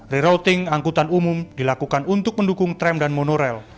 rerouting angkutan umum dilakukan untuk mendukung tram dan monorail